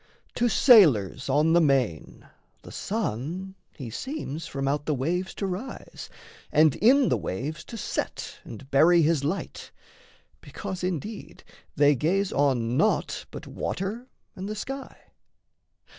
To sailors on the main the sun he seems From out the waves to rise, and in the waves To set and bury his light because indeed They gaze on naught but water and the sky.